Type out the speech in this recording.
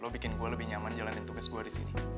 buat gue lebih nyama jalani tugas gue disini